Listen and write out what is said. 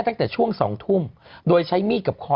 ตั้งแต่ช่วง๒ทุ่ม